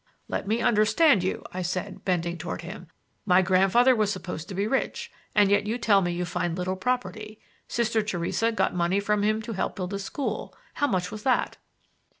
"Let me understand you," I said, bending toward him. "My grandfather was supposed to be rich, and yet you tell me you find little property. Sister Theresa got money from him to help build a school. How much was that?"